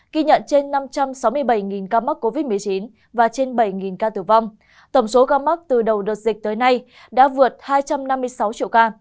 ghi nhận trên năm trăm sáu mươi bảy ca mắc covid một mươi chín và trên bảy ca tử vong tổng số ca mắc từ đầu đợt dịch tới nay đã vượt hai trăm năm mươi sáu triệu ca